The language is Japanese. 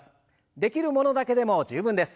できるものだけでも十分です。